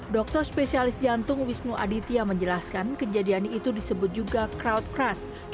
dokter spesialis jantung wisnu aditya menjelaskan kejadian itu disebut juga crowd crass